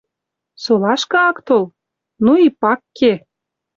Солашкы ак тол? Ну и — пак ке!